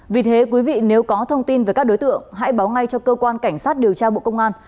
vì thế quý vị nếu có thông tin về các đối tượng hãy báo ngay cho cơ quan cảnh sát điều tra bộ công an